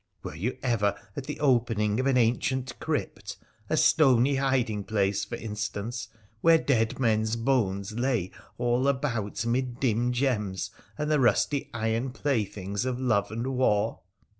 Were you ever at the opening of an ancient crypt — a stony hiding place, for instance, where dead men's bones lay all about mid dim gems and the rusty iron playthings of love and war